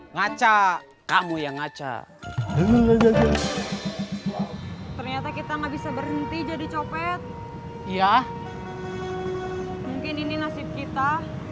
ngacak kamu yang ngacak ternyata kita nggak bisa berhenti jadi copet ya mungkin ini nasib kita